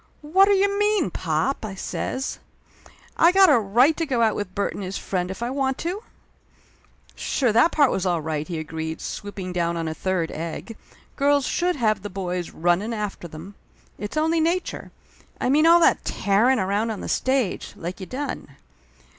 "Whatter you mean, pop?" I says. "I got a right to go out with Bert and his friend if I want!" Laughter Limited 39 "Sure that part was all right," he agreed, swooping down on a third egg. "Girls should have the boys runnin' after them. It's only nature ! I mean all that tearin' around on the stage, like you done!"